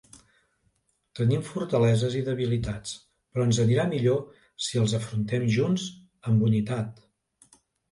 Tenim fortaleses i debilitats, però ens anirà millor si els afrontem junts, amb unitat.